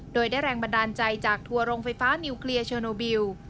โดยได้แรงบันดาลใจจากทัวร์โรงไฟฟ้านิวเคลียร์เชอร์โนบิล